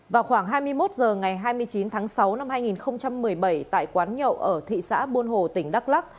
vào khoảng hai mươi một h ngày hai mươi chín tháng sáu năm hai nghìn một mươi bảy tại quán nhậu ở thị xã buôn hồ tỉnh đắk lắc